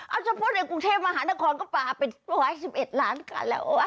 เอาสมมติในกรุงเทพฯมหานครก็ปล่าเป็นประมาณ๑๑ล้านคันแล้ว